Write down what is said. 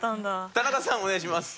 田中さんお願いします。